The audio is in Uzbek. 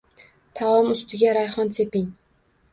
Taom ustiga rayhon seping